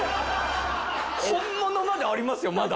本物までありますよまだ。